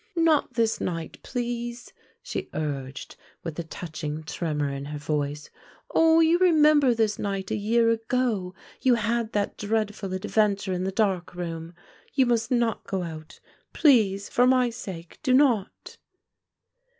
"Not this night, please," she urged, with a touching tremor in her voice. "Oh! you remember this night a year ago you had that dreadful adventure in the dark room. You must not go out; please, for my sake, do not."